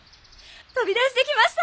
飛び出してきました！